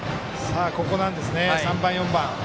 ここなんですね３番、４番。